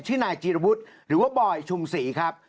ชื่อนายจีระวุษหรือว่าร่อยชุมศรีครับ